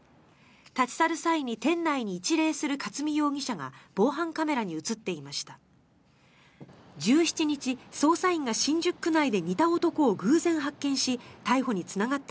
立ち去る際に店内に一礼する勝見容疑者が防犯カメラに映っていました。